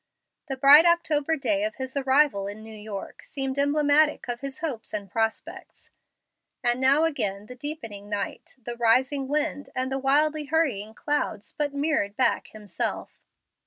The bright October day of his arrival in New York seemed emblematic of his hopes and prospects, and now again the deepening night, the rising wind, and the wildly hurrying clouds but mirrored back himself.